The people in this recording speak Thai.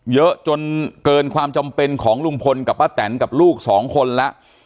เยอะจนเกินความจำเป็นของลุงพลกับป้าแตนกับลูกสองคนแล้ว